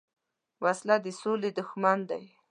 وسله د سولې دښمن ده